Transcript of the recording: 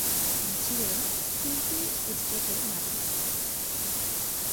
তিনি ছিলেন তিনটি স্টেটের মালিক।